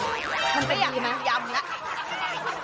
มันไม่อยากกินยำแล้ว